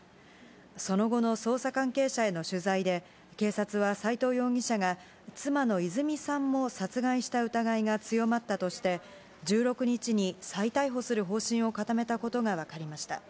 その後の捜査関係者への取材で、警察は、斎藤容疑者が、妻の泉さんも殺害した疑いが強まったとして、１６日に再逮捕する方針を固めたことが分かりました。